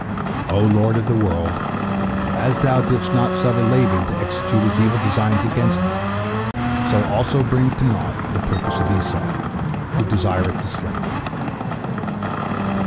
O Lord of the world, as Thou didst not suffer Laban to execute his evil designs against me, so also bring to naught the purpose of Esau, who desireth to slay me.